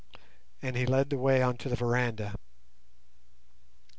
And he led the way on to the veranda.